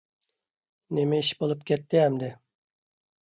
نېمە ئىش بولۇپ كەتتى ئەمدى!